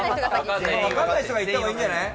わかんない人が言った方がいいんじゃない？